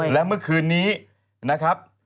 และเมื่อคืนนี้นะครับ